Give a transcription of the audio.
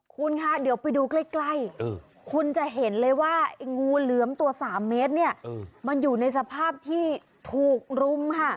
คุณคะเดี๋ยวไปดูใกล้คุณจะเห็นเลยว่าไอ้งูเหลือมตัว๓เมตรเนี่ยมันอยู่ในสภาพที่ถูกรุมค่ะ